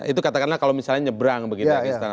itu katakanlah kalau misalnya nyebrang begitu